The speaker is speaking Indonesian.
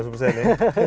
lima ratus persen ya